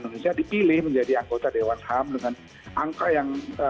indonesia dipilih menjadi anggota dewan ham dengan angka yang